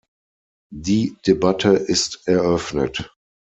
Die Debatte ist eröffnet.